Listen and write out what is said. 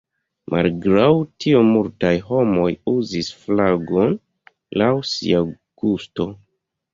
Malgraŭ tio multaj homoj uzis flagon laŭ sia gusto.